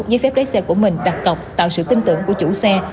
dưới phép đáy xe của mình đặc tộc tạo sự tin tưởng của chủ xe